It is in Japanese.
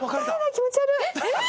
気持ち悪っ。